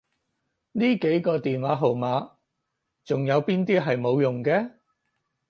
呢幾個電話號碼仲有邊啲係冇用嘅？